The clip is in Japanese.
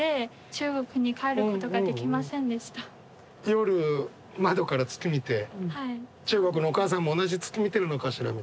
夜窗から月見て中国のお母さんも同じ月見てるのかしらみたいな。